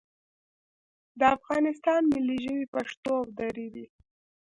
د افغانستان ملي ژبې پښتو او دري دي